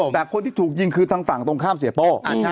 แต่คนที่ถูกยิงคือทางฝั่งตรงข้ามเสียโป้